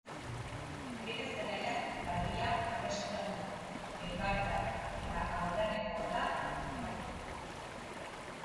Bere zelaian baloia berreskuratu du eibartarrak eta aurreneko gola lortu du.